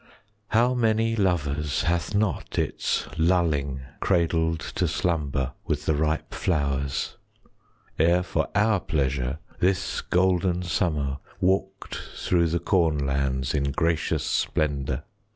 How many lovers Hath not its lulling Cradled to slumber With the ripe flowers, 15 Ere for our pleasure This golden summer Walked through the corn lands In gracious splendour!